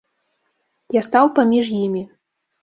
Я стаў паміж імі.